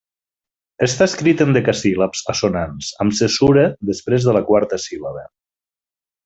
Està escrit en decasíl·labs assonants, amb cesura després de la quarta síl·laba.